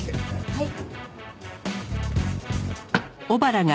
はい。